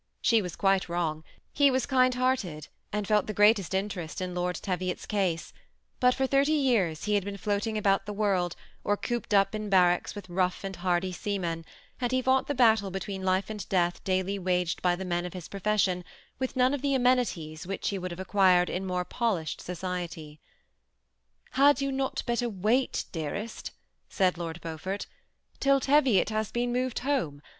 She was quite wrong ; he was kind hearted, and felt the greatest interest in Lord Teviot's case ; but for thirty years he had been floating about the world, or coc^ped up in barracks with rough and hardy seamen ; and he fought the battle between life and death daily waged by the men of his profession with none of the amenities which he would have acquired in more polished society. ^ Had you not better wait, dearest," said Lord Beau fort, ^ till Teviot has been moved home